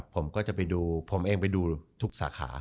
ผมก็จะไปดูผมเองไปดูทุกสาขา